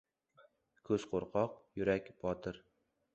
• Ko‘z — qo‘rqoq, yurak — botir.